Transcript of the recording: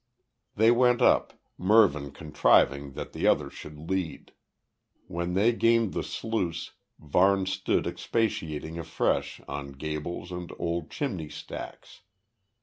They went up, Mervyn contriving that the other should lead. When they gained the sluice, Varne stood expatiating afresh, on gables and old chimney stacks.